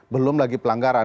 belum lagi pelanggaran